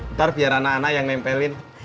ntar biar anak anak yang nempelin